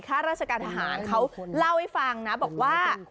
ข้าราชการอาหารเนี่ยเขาเล่าไว้ฟังบอกว่า